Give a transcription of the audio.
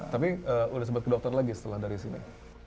tapi udah sempat ke dokter lagi setelah dari sini